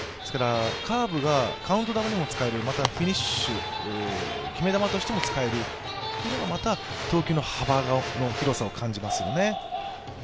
カーブがカウント球にも使える、またフィニッシュ決め球としても使えるというのが投球の幅の広さを感じますね。